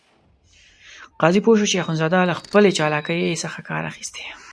قاضي پوه شو چې اخندزاده له خپلې چالاکۍ څخه کار اخیستی.